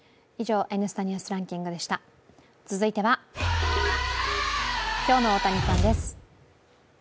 続いては、今日の大谷さんです。